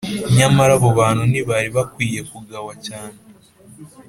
Nyamara abo bantu ntibari bakwiye kugawa cyane,